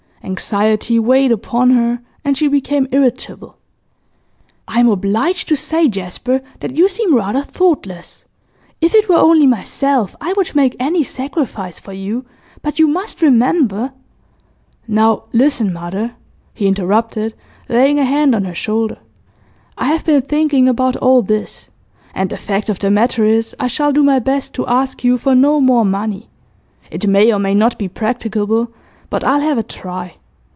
Anxiety weighed upon her, and she became irritable. 'I am obliged to say, Jasper, that you seem rather thoughtless. If it were only myself. I would make any sacrifice for you; but you must remember ' 'Now listen, mother,' he interrupted, laying a hand on her shoulder; 'I have been thinking about all this, and the fact of the matter is, I shall do my best to ask you for no more money. It may or may not be practicable, but I'll have a try.